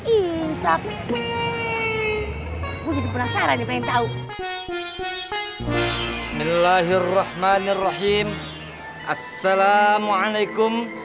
isa pv pw jadi penasaran yang tahu bismillahirrohmanirrohim assalamualaikum